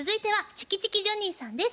チキチキジョニーです。